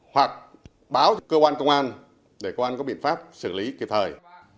hoặc báo cho cơ quan công an để cơ quan có biện pháp xử lý kịp thời